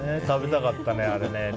食べたかったね、あれね。